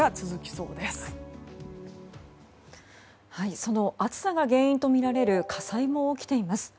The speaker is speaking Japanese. その暑さが原因とみられる火災も起きています。